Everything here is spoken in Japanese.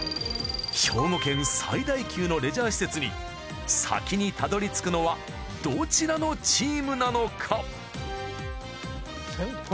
兵庫県最大級のレジャー施設に先にたどりつくのはどちらのチームなのか？